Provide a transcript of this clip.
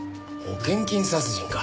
保険金殺人か。